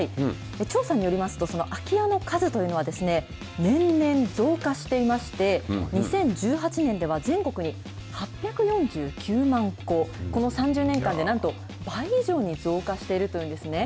調査によりますと、空き家の数というのは年々増加していまして、２０１８年では、全国に８４９万戸、この３０年間でなんと倍以上に増加しているというんですね。